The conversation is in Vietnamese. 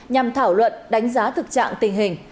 nhằm thảo luận đánh giá thực trạng tình hình